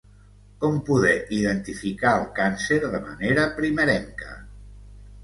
Com poder identificar el càncer de manera primerenca?